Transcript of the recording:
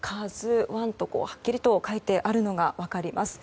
「ＫＡＺＵ１」とはっきりと書いてあるのが分かります。